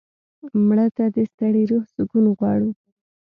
مړه ته د ستړي روح سکون غواړو